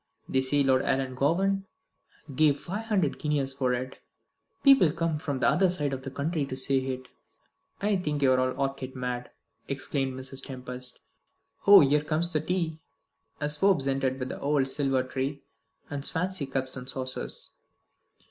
They say Lord Ellangowan gave five hundred guineas for it. People come from the other side of the county to see it." "I think you are all orchid mad," exclaimed Mrs. Tempest. "Oh, here comes the tea!" as Forbes entered with the old silver tray and Swansea cups and saucers.